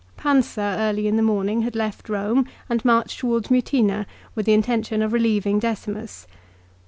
Pansa early in the month had left Rome and marched towards Mutina with the intention of relieving Decirnus.